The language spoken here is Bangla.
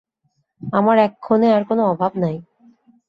আমার এক্ষণে আর কোন অভাব নাই।